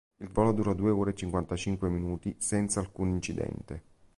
Il volo durò due ore e cinquantacinque minuti senza alcun incidente.